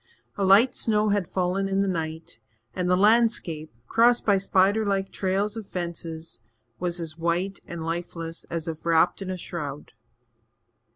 A light snow had fallen in the night and the landscape, crossed by spider like trails of fences, was as white and lifeless as if wrapped in a shroud.